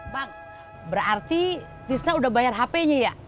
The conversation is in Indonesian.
mak berarti tisna udah bayar hp nya ya